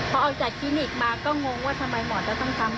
หมอเขาก็บอกว่าต้องสอดส่งเข้าไปว่า